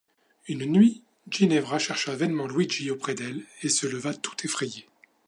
Une nuit, Ginevra chercha vainement Luigi auprès d’elle, et se leva tout effrayée.